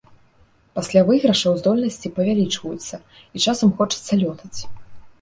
Пасля выйгрышаў здольнасці павялічваюцца, і часам хочацца лётаць.